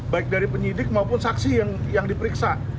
baik dari penyidik maupun saksi yang diperiksa